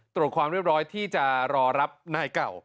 ตรวจความเรียบร้อยที่จะรอรับนายเก่า